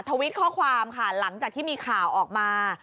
ทวิตข้อความค่ะหลังจากที่มีข่าวออกมา